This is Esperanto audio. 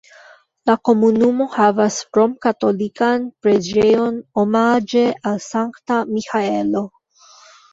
La komunumo havas romkatolikan preĝejon omaĝe al Sankta Miĥaelo.